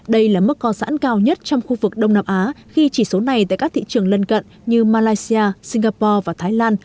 đây là mức co giãn cao nhất trong khu vực đông nam á khi chỉ số này tại các thị trường lân cận như malaysia singapore và thái lan